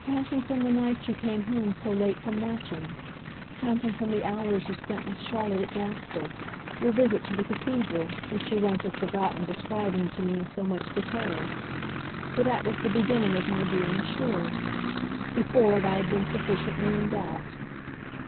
"Counting from the night you came home so late from Matcham. Counting from the hours you spent with Charlotte at Gloucester; your visit to the cathedral which you won't have forgotten describing to me in so much detail. For that was the beginning of my being sure. Before it I had been sufficiently in doubt.